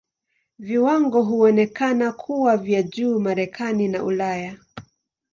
Viwango huonekana kuwa vya juu Marekani na Ulaya.